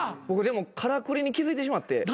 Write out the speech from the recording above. でもからくりに気付いてしまって。